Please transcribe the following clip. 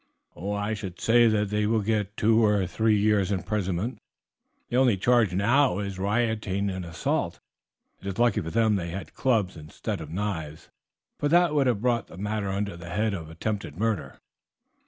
"I should say that they will get two or three years imprisonment; the only charge now is rioting and assault. It is lucky for them that they had clubs instead of knives, for that would have brought the matter under the head of attempted murder.